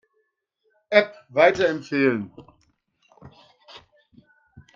App weiterempfehlen.